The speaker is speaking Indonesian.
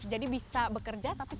jadi bisa bekerja tapi lebih tenang